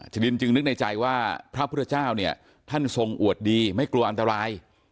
ดินจึงนึกในใจว่าพระพุทธเจ้าเนี่ยท่านทรงอวดดีไม่กลัวอันตราย